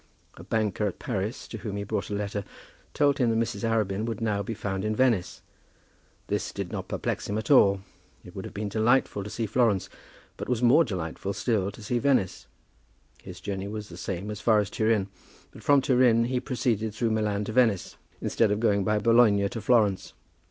A banker at Paris, to whom he brought a letter, told him that Mrs. Arabin would now be found at Venice. This did not perplex him at all. It would have been delightful to see Florence, but was more delightful still to see Venice. His journey was the same as far as Turin; but from Turin he proceeded through Milan to Venice, instead of going by Bologna to Florence.